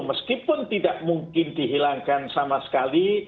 meskipun tidak mungkin dihilangkan sama sekali